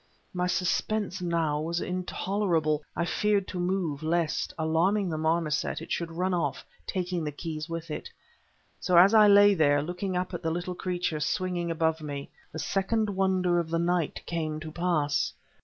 My suspense now was intolerable. I feared to move, lest, alarming the marmoset, it should run off again, taking the keys with it. So as I lay there, looking up at the little creature swinging above me, the second wonder of the night came to pass.